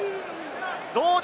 どうだ？